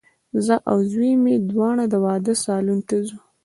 زه او زوی مي دواړه د واده سالون ته ځو